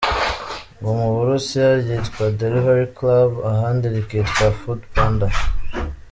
Nko mu Burusiya ryitwa Delivery Club, ahandi rikitwa Foodpanda.